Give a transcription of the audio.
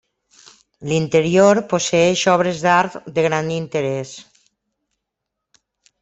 L'interior posseeix obres d'art de gran interès.